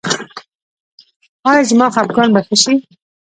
ایا زما خپګان به ښه شي؟